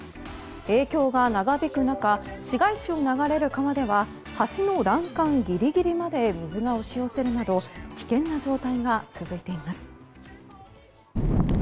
影響が長引く中市街地を流れる川では橋の欄干ギリギリまで水が押し寄せるなど危険な状態が続いています。